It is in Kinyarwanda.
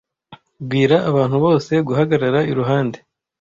Bwira abantu bose guhagarara iruhande.